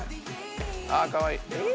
あかわいい。